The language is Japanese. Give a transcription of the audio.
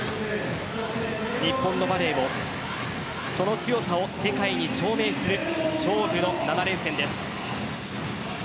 日本のバレーをその強さを世界に証明する勝負の７連戦です。